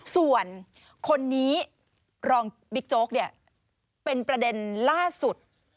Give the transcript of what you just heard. ส่วนคนนี้รองบิ๊กโจ๊กเนี่ยเป็นประเด็นล่าสุด